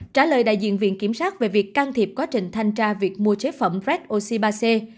trả lời đại diện viện kiểm sát về việc can thiệp quá trình thanh tra việc mua chế phẩm red oxy ba c